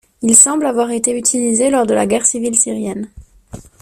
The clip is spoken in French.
Il semble avoir été utilisé lors de la guerre civile syrienne.